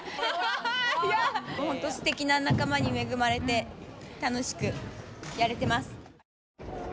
すてきな仲間に恵まれて楽しくやれてます。